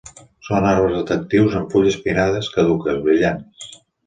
Són arbres atractius amb fulles pinnades caduques brillants.